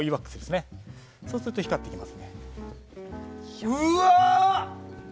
そうすると光ってきます。